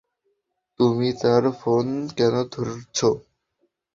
তুমি তার ফোন কেনো ধরছো?